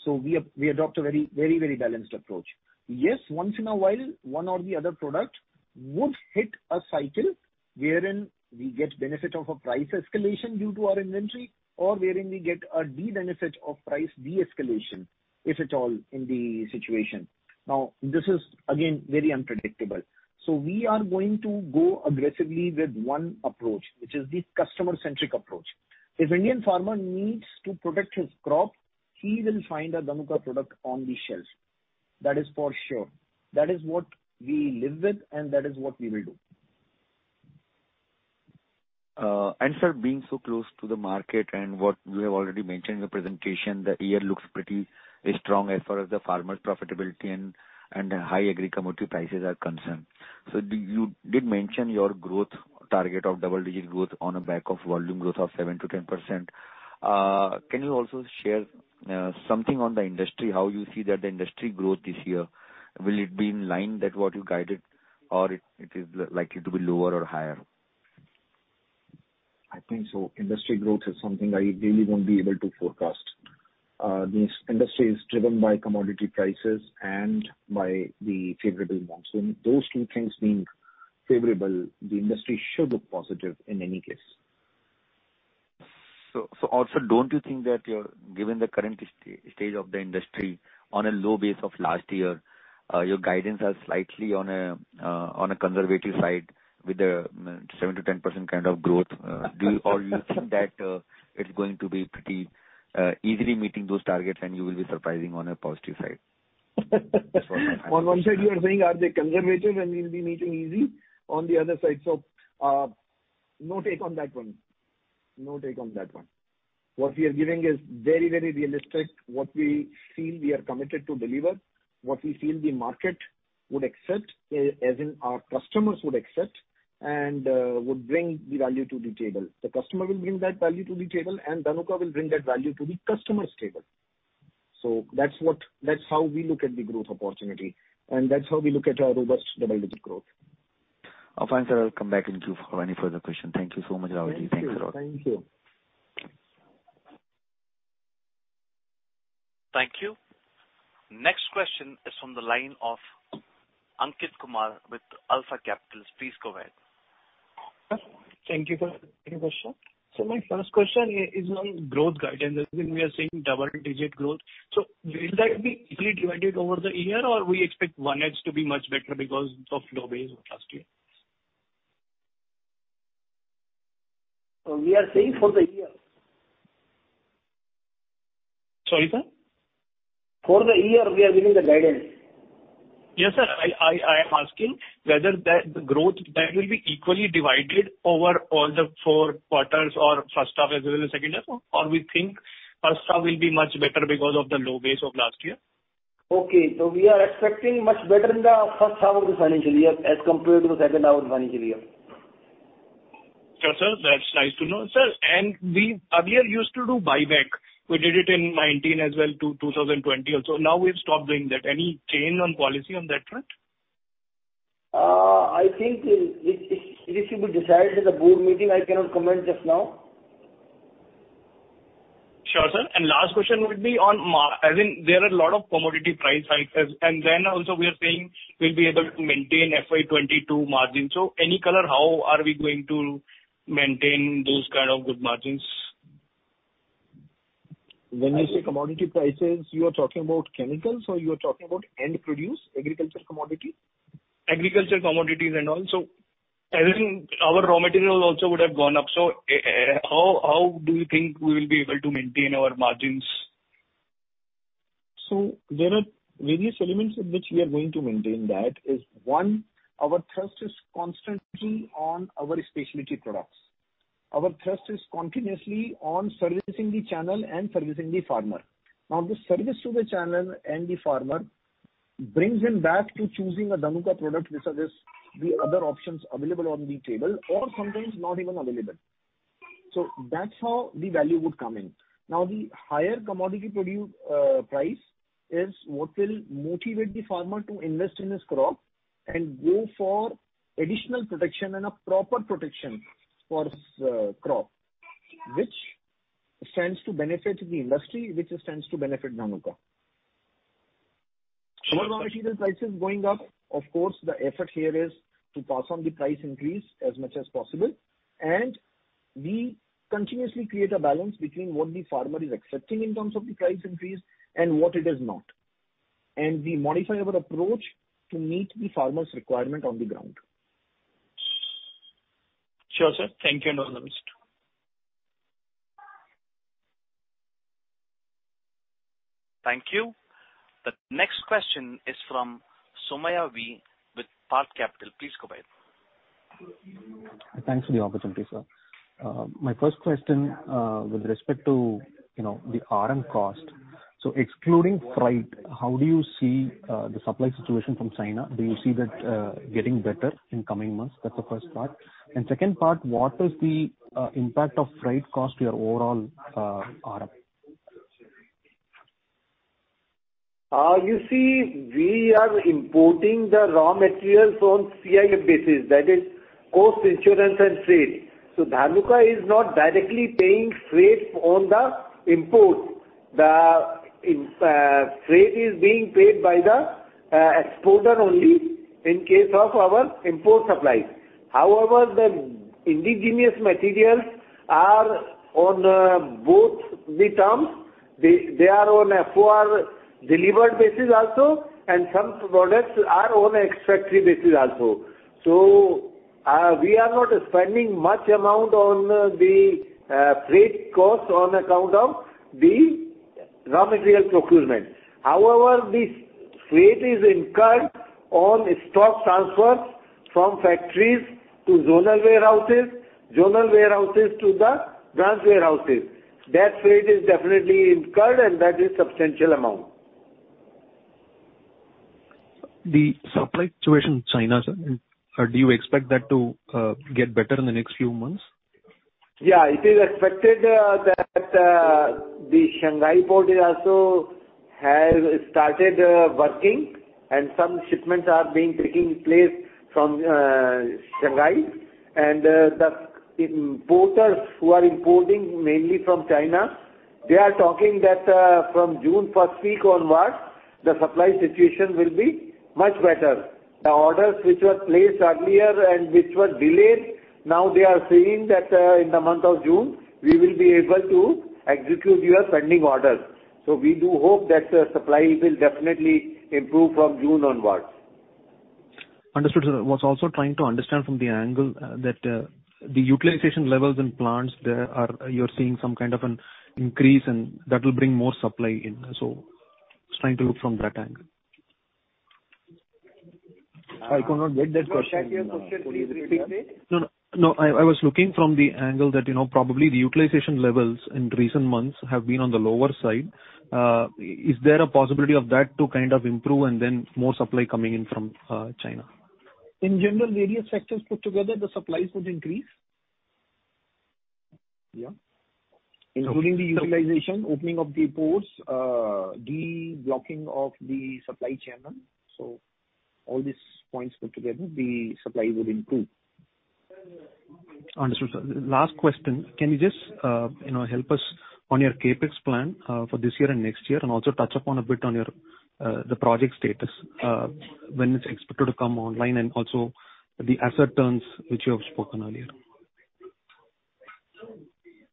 We adopt a very balanced approach. Yes, once in a while, one or the other product would hit a cycle wherein we get benefit of a price escalation due to our inventory, or wherein we get a de-benefit of price de-escalation, if at all in the situation. Now, this is again very unpredictable. We are going to go aggressively with one approach, which is the customer-centric approach. If Indian farmer needs to protect his crop, he will find a Dhanuka product on the shelves. That is for sure. That is what we live with and that is what we will do. Sir, being so close to the market and what you have already mentioned in the presentation, the year looks pretty strong as far as the farmer profitability and high agri commodity prices are concerned. You did mention your growth target of double-digit growth on the back of volume growth of 7-10%. Can you also share something on the industry, how you see the industry growth this year? Will it be in line with what you guided or it is likely to be lower or higher? I think so. Industry growth is something I really won't be able to forecast. This industry is driven by commodity prices and by the favorable monsoons. Those two things being favorable, the industry should look positive in any case. Don't you think that you're, given the current stage of the industry on a low base of last year, your guidance are slightly on a conservative side with a 7-10% kind of growth? Do you or you think that it's going to be pretty easily meeting those targets and you will be surprising on a positive side? That's what I'm asking. On one side you are saying, are they conservative and we will be meeting easily, on the other side. No take on that one. What we are giving is very, very realistic, what we feel we are committed to deliver, what we feel the market would accept, as in our customers would accept, and would bring the value to the table. The customer will bring that value to the table, and Dhanuka will bring that value to the customer's table. That's what, that's how we look at the growth opportunity, and that's how we look at our robust double-digit growth. Fine, sir. I'll come back to you for any further question. Thank you so much, Ravi. Thank you. Thanks a lot. Thank you. Thank you. Next question is from the line of Ankit Kumar with Alpha Capital. Please go ahead. Thank you for taking the question. My first question is on growth guidance. As in we are seeing double-digit growth. Will that be equally divided over the year or we expect one quarter to be much better because of low base of last year? We are saying for the year. Sorry, sir. For the year, we are giving the guidance. Yes, sir. I am asking whether that growth, that will be equally divided over all the four quarters or H1 as well as H2, or we think H1 will be much better because of the low base of last year? Okay. We are expecting much better in the H1 of the financial year as compared to the H2 of the financial year. Sure, sir. That's nice to know. Sir, we earlier used to do buyback. We did it in 2019 as well to 2020 also. Now we've stopped doing that. Any change on policy on that front? I think it should be decided in the board meeting. I cannot comment just now. Sure, sir. Last question would be on, as in there are a lot of commodity price hikes, and then also we are saying we'll be able to maintain FY 2022 margin. Any color how are we going to maintain those kind of good margins? When you say commodity prices, you are talking about chemicals or you are talking about end product agricultural commodity? Agricultural commodities and all. As in our raw material also would have gone up. How do you think we will be able to maintain our margins? There are various elements in which we are going to maintain that is, one, our thrust is constantly on our specialty products. Our thrust is continuously on servicing the channel and servicing the farmer. Now, the service to the channel and the farmer brings him back to choosing a Dhanuka product versus the other options available on the table or sometimes not even available. That's how the value would come in. Now, the higher commodity produce price is what will motivate the farmer to invest in his crop and go for additional protection and a proper protection for his crop, which stands to benefit the industry, which stands to benefit Dhanuka. Raw material prices going up, of course, the effort here is to pass on the price increase as much as possible, and we continuously create a balance between what the farmer is accepting in terms of the price increase and what he does not. We modify our approach to meet the farmer's requirement on the ground. Sure, sir. Thank you and. Thank you. The next question is from Soumya V. with Spark Capital. Please go ahead. Thanks for the opportunity, sir. My first question, with respect to, you know, the RM cost. Excluding freight, how do you see the supply situation from China? Do you see that getting better in coming months? That's the first part. Second part, what is the impact of freight cost to your overall RM? You see, we are importing the raw materials on CIF basis. That is Cost, Insurance and Freight. Dhanuka is not directly paying freight on the import. Freight is being paid by the exporter only in case of our import supplies. However, the indigenous materials are on both the terms. They are on a for delivered basis also, and some products are on a ex-factory basis also. We are not spending much amount on the freight cost on account of the raw material procurement. However, the freight is incurred on stock transfers from factories to zonal warehouses, zonal warehouses to the branch warehouses. That freight is definitely incurred and that is substantial amount. The supply situation in China, sir. Do you expect that to get better in the next few months? Yeah. It is expected that the Shanghai port has also started working and some shipments are taking place from Shanghai. The importers who are importing mainly from China, they are talking that from June first week onwards, the supply situation will be much better. The orders which were placed earlier and which were delayed, now they are saying that in the month of June, we will be able to execute your pending orders. We do hope that supplies will definitely improve from June onwards. Understood, sir. Was also trying to understand from the angle, that the utilization levels in plants, there are you're seeing some kind of an increase and that will bring more supply in. Was trying to look from that angle. I cannot get that question. Can you repeat your question? Please repeat. No, I was looking from the angle that, you know, probably the utilization levels in recent months have been on the lower side. Is there a possibility of that to kind of improve and then more supply coming in from, China? In general, various sectors put together, the supplies would increase. Yeah. Including the utilization, opening of the ports, de-blocking of the supply chain. All these points put together, the supply would improve. Understood, sir. Last question. Can you just, you know, help us on your CapEx plan, for this year and next year, and also touch upon a bit on your, the project status, when it's expected to come online and also the asset turns which you have spoken earlier?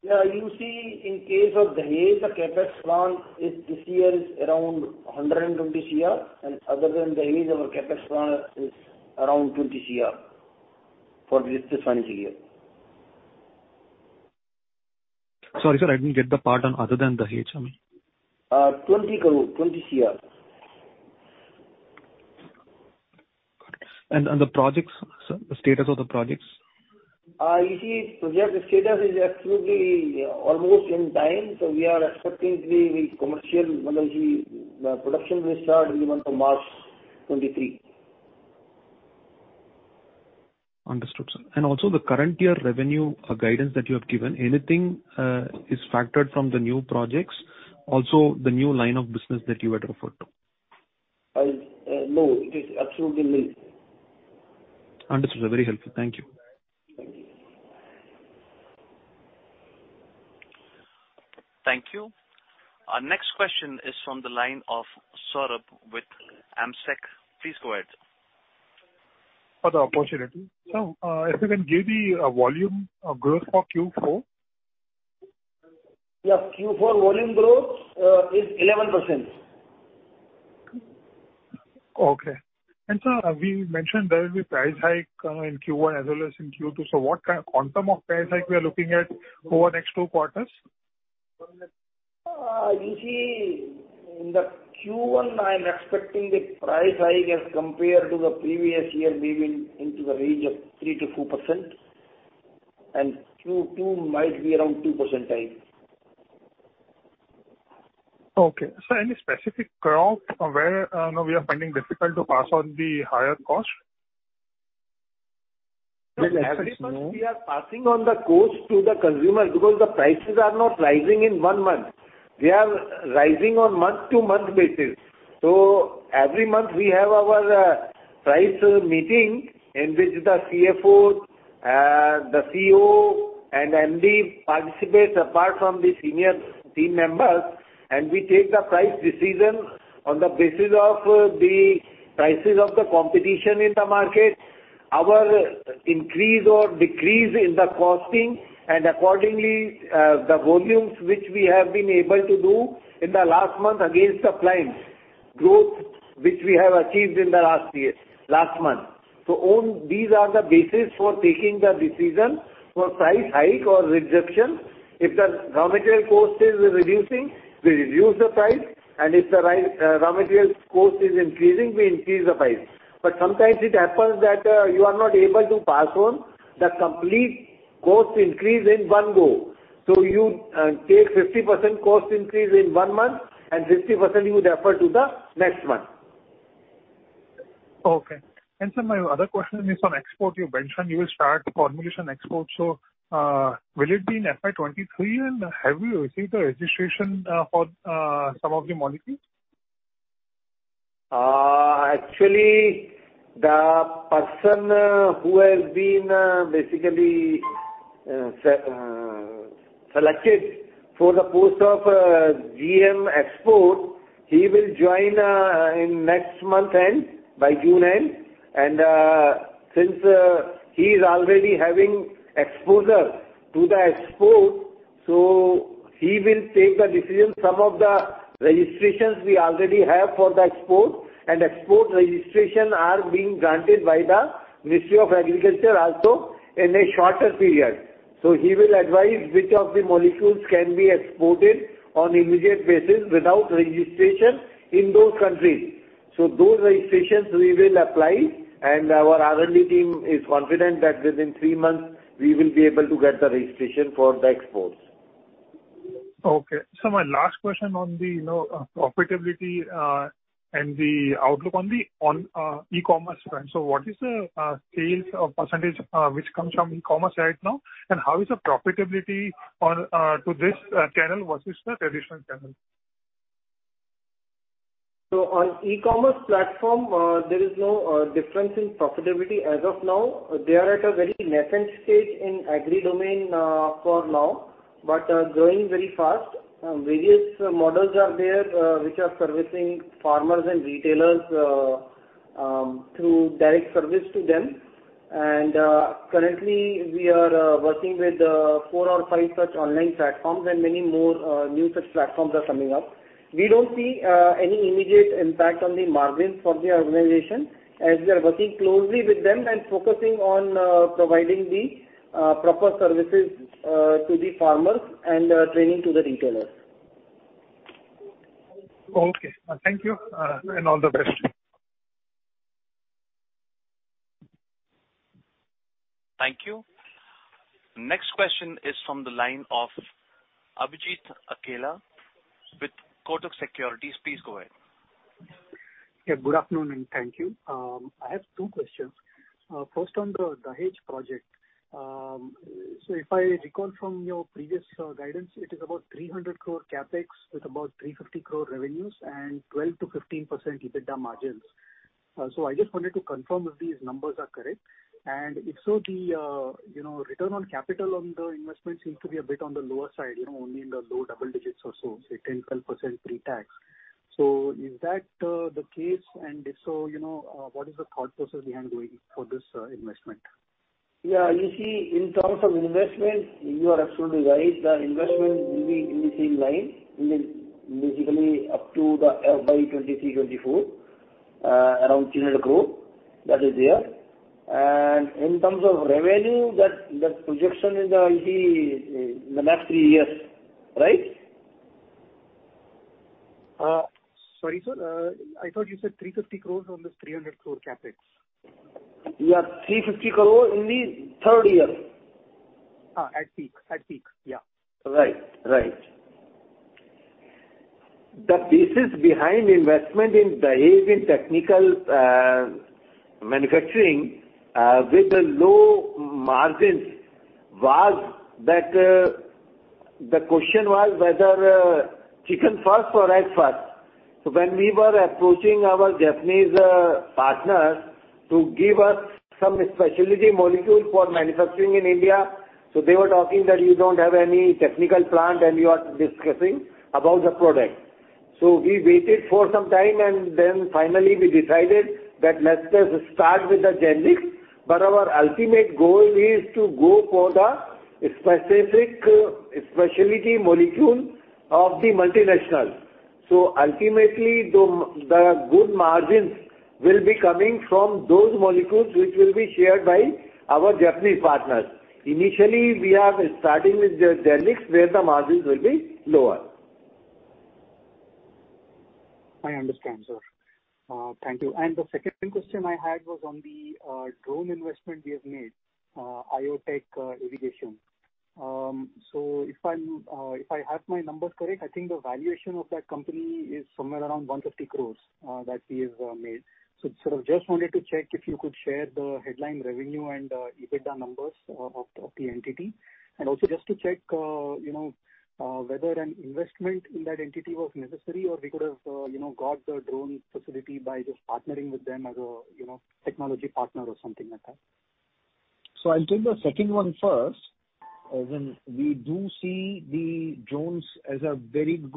Yeah. You see, in case of Dahej, the CapEx plan this year is around 120 crore, and other than Dahej, our CapEx plan is around 20 crore for this financial year. Sorry, sir, I didn't get the part on other than Dahej. INR 20 crore. Got it. The projects, sir, the status of the projects? You see, project status is absolutely almost in time, so we are expecting the production will start in the month of March 2023. Understood, sir. Also the current year revenue, guidance that you have given, anything, is factored from the new projects? Also the new line of business that you had referred to. No, it is absolutely nil. Understood, sir. Very helpful. Thank you. Thank you. Our next question is from the line of Saurabh with Amsec. Please go ahead. For the opportunity. If you can give the volume growth for Q4. Yeah. Q4 volume growth is 11%. Okay. Sir, we mentioned there will be price hike in Q1 as well as in Q2. What kind of quantum of price hike we are looking at over next two quarters? You see, in the Q1, I'm expecting the price hike as compared to the previous year be into the range of 3-4%, and Q2 might be around 2%. Okay. Sir, any specific crop where, you know, we are finding difficult to pass on the higher cost? Every month we are passing on the cost to the consumer because the prices are not rising in one month. They are rising on month-to-month basis. Every month we have our price meeting in which the CFO, the CEO and MD participates apart from the senior team members, and we take the price decision on the basis of the prices of the competition in the market, our increase or decrease in the costing and accordingly, the volumes which we have been able to do in the last month against the clients growth which we have achieved in the last year, last month. These are the basis for taking the decision for price hike or reduction. If the raw material cost is reducing, we reduce the price and if the raw material cost is increasing, we increase the price. Sometimes it happens that you are not able to pass on the complete cost increase in one go. You take 50% cost increase in one month and 50% you defer to the next month. Sir, my other question is on export. You mentioned you will start formulation export, so will it be in FY 2023, and have you received the registration for some of the molecules? Actually, the person who has been basically selected for the post of GM export, he will join in next month end, by June end. Since he's already having exposure to the export, he will take the decision. Some of the registrations we already have for the export and export registration are being granted by the Ministry of Agriculture also in a shorter period. He will advise which of the molecules can be exported on immediate basis without registration in those countries. Those registrations we will apply, and our R&D team is confident that within three months we will be able to get the registration for the exports. Okay. My last question on the, you know, profitability and the outlook on the e-commerce front. What is the sales or percentage which comes from e-commerce right now, and how is the profitability on to this channel versus the traditional channel? On e-commerce platform, there is no difference in profitability as of now. They are at a very nascent stage in agri domain for now, but growing very fast. Various models are there, which are servicing farmers and retailers through direct service to them. Currently we are working with four or five such online platforms and many more new such platforms are coming up. We don't see any immediate impact on the margin for the organization as we are working closely with them and focusing on providing the proper services to the farmers and training to the retailers. Okay. Thank you, and all the best. Thank you. Next question is from the line of Abhijeet Akella with Kotak Securities. Please go ahead. Yeah, good afternoon, and thank you. I have two questions. First on the Dahej project. If I recall from your previous guidance, it is about 300 crore CapEx with about 350 crore revenues and 12-15% EBITDA margins. I just wanted to confirm if these numbers are correct. If so, the, you know, return on capital on the investment seems to be a bit on the lower side, you know, only in the low double digits or so, say 10%, 12% pre-tax. Is that the case? If so, you know, what is the thought process behind going for this investment? Yeah. You see, in terms of investment, you are absolutely right. The investment will be in the same line, basically up to the FY 2023-2024, around 300 crore. That is there. In terms of revenue, that projection is, you see in the next three years, right? Sorry, sir. I thought you said 350 crores on this 300 crore CapEx. Yeah, 350 crore in the third year. At peak, yeah. Right. The basis behind investment in Dahej in technical manufacturing with the low margins was that the question was whether chicken first or egg first. When we were approaching our Japanese partners to give us some specialty molecule for manufacturing in India, so they were talking that you don't have any technical plant and you are discussing about the product. We waited for some time and then finally we decided that let us start with the generic, but our ultimate goal is to go for the specific specialty molecule of the multinational. Ultimately, the good margins will be coming from those molecules which will be shared by our Japanese partners. Initially, we are starting with generics where the margins will be lower. I understand, sir. Thank you. The second question I had was on the drone investment we have made, IoTechWorld Avigation. So if I have my numbers correct, I think the valuation of that company is somewhere around 150 crores that we have made. So sort of just wanted to check if you could share the headline revenue and EBITDA numbers of the entity. Also just to check, you know, whether an investment in that entity was necessary or we could have, you know, got the drone facility by just partnering with them as a, you know, technology partner or something like that. I'll take the second one first. When we do see the drones as a very good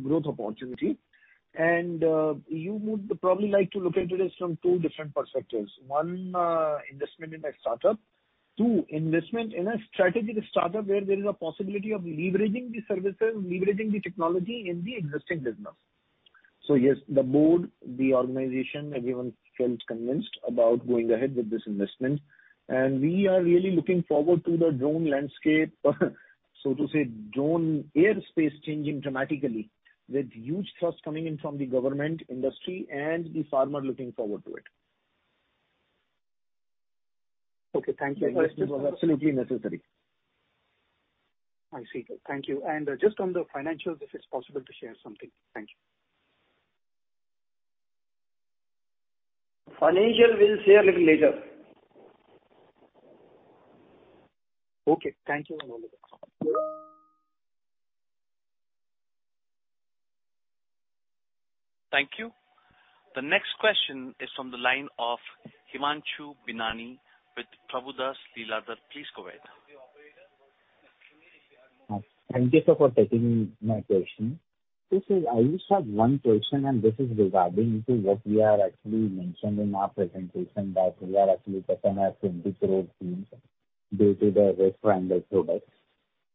growth opportunity. You would probably like to look into this from two different perspectives. One, investment in a startup The investment in a strategic startup where there is a possibility of leveraging the services, leveraging the technology in the existing business. Yes, the board, the organization, everyone felt convinced about going ahead with this investment, and we are really looking forward to the drone landscape, so to say, the drone airspace changing dramatically with huge thrust coming in from the government, industry, and the farmer looking forward to it. Okay. Thank you. The investment was absolutely necessary. I see. Thank you. Just on the financials, if it's possible to share something. Thank you. Financials we'll share little later. Okay. Thank you. Thank you. The next question is from the line of Himanshu Binani with Prabhudas Lilladher. Please go ahead. Thank you, sir, for taking my question. This is I just have one question, and this is regarding to what we are actually mentioned in our presentation that we are actually sitting at 20 crore due to the Red Triangle products.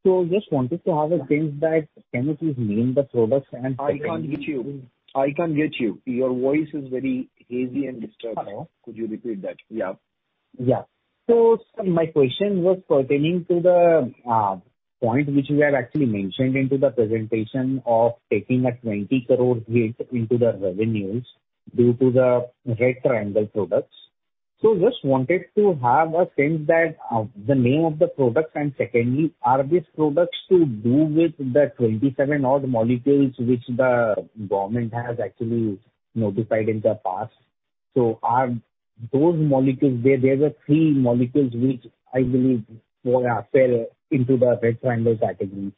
Just wanted to have a sense that can you please name the products and- I can't get you. Your voice is very hazy and disturbed. Hello. Could you repeat that? Yeah. My question was pertaining to the point which you have actually mentioned in the presentation of taking a 20 crore hit in the revenues due to the Red Triangle products. I just wanted to have a sense of the name of the product, and secondly, are these products to do with the 27 odd molecules which the government has actually notified in the past. Are those molecules? There were three molecules which I believe were fell into the Red Triangle category.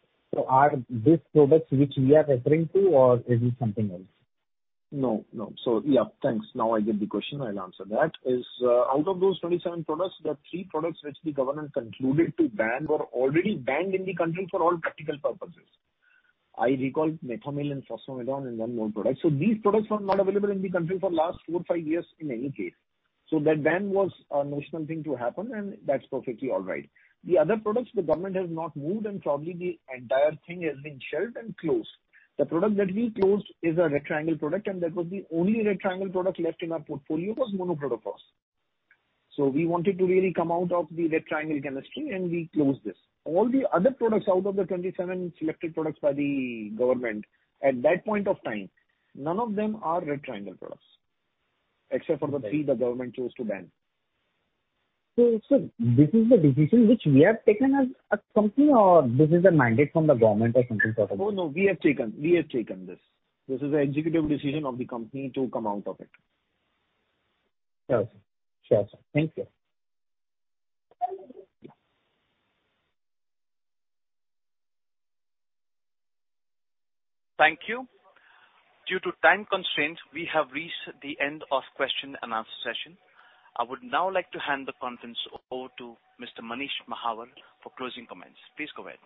Are these products which we are referring to or is it something else? No, no. Yeah, thanks. Now I get the question. I'll answer that. Out of those 27 products, there are three products which the government concluded to ban, were already banned in the country for all practical purposes. I recall Methomyl and Phorate and one more product. These products were not available in the country for the last four-five years in any case. That ban was a national thing to happen, and that's perfectly all right. The other products the government has not moved, and probably the entire thing has been shelved and closed. The product that we closed is a Red Triangle product, and that was the only Red Triangle product left in our portfolio, was monocrotophos. We wanted to really come out of the Red Triangle chemistry, and we closed this. All the other products out of the 27 selected products by the government at that point of time, none of them are Red Triangle products, except for the three the government chose to ban. This is the decision which we have taken as a company or this is a mandate from the government or something sort of? Oh, no. We have taken this. This is an executive decision of the company to come out of it. Sure, sure. Thank you. Thank you. Due to time constraints, we have reached the end of question and answer session. I would now like to hand the conference over to Mr. Manish Mahawar for closing comments. Please go ahead.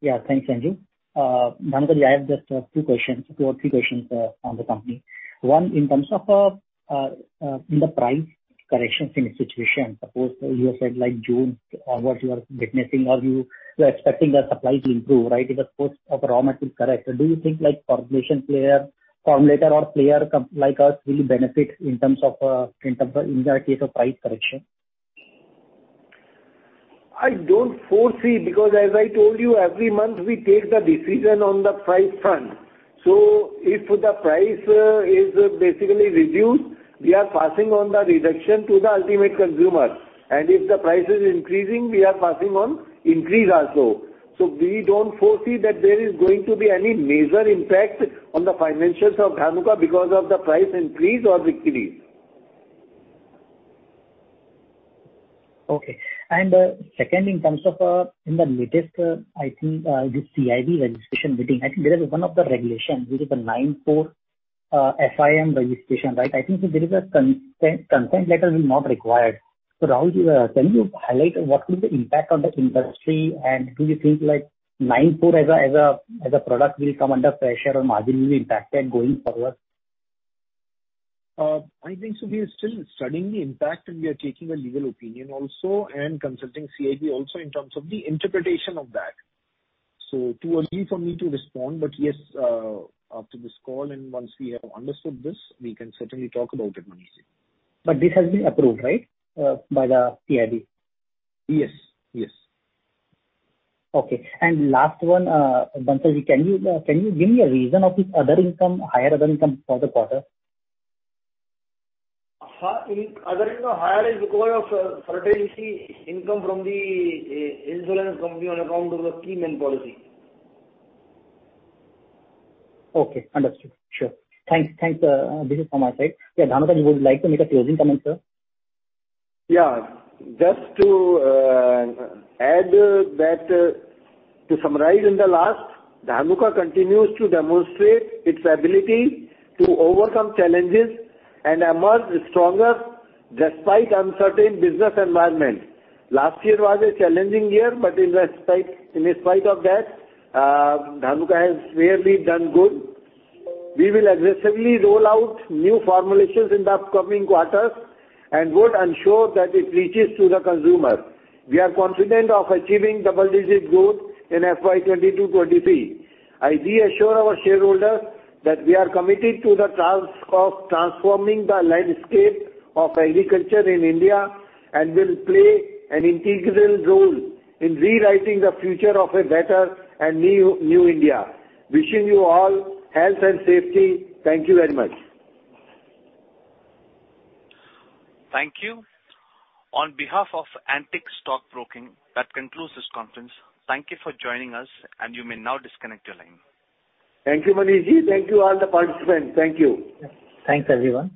Yeah. Thanks, Andrew. Dhanuka, I have just a few questions, two or three questions, on the company. One, in terms of the price corrections in this situation, suppose you have said like June or what you are witnessing or you are expecting the supply to improve, right, if of course if the raw material correct. Do you think like formulation player, formulator or player like us will benefit in terms of, in the case of price correction? I don't foresee because as I told you, every month we take the decision on the price front. If the price is basically reduced, we are passing on the reduction to the ultimate consumer. If the price is increasing, we are passing on increase also. We don't foresee that there is going to be any major impact on the financials of Dhanuka because of the price increase or decrease. Okay. Second, in terms of in the latest, I think this CIB registration meeting, I think there is one of the regulations which is the Section 9(4), similar registration, right? I think there is a consent letter is not required. Rahul, can you highlight what will the impact on the industry and do you think like Section 9(4) as a product will come under pressure or margin will be impacted going forward? I think so we are still studying the impact, and we are taking a legal opinion also and consulting CIB also in terms of the interpretation of that. Too early for me to respond, but yes, after this call and once we have understood this, we can certainly talk about it, Mr. Manish Mahawar. This has been approved, right, by the CIB? Yes. Yes. Okay. Last one, Dhanuka, can you give me a reason of this other income, higher other income for the quarter? Other income higher is because of maturity income from the insurance company on account of the key man policy. Okay. Understood. Sure. Thanks. Thanks, this is from our side. Yeah, Dhanuka, would you like to make a closing comment, sir? Yeah. Just to add that to summarize in the last, Dhanuka continues to demonstrate its ability to overcome challenges and emerge stronger despite uncertain business environment. Last year was a challenging year, but in spite of that, Dhanuka has really done good. We will aggressively roll out new formulations in the upcoming quarters and would ensure that it reaches to the consumer. We are confident of achieving double-digit growth in FY 2022-23. I do assure our shareholders that we are committed to the task of transforming the landscape of agriculture in India and will play an integral role in rewriting the future of a better and new India. Wishing you all health and safety. Thank you very much. Thank you. On behalf of Antique Stock Broking, that concludes this conference. Thank you for joining us, and you may now disconnect your line. Thank you, Manishji. Thank you all the participants. Thank you. Thanks, everyone.